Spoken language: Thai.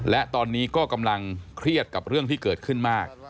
และตอนนี้ก็กำลังเครียดกับเรื่องที่เกิดขึ้นมาก